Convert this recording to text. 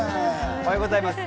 おはようございます。